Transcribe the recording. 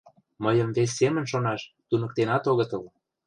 Мыйым вес семын шонаш туныктенак огытыл.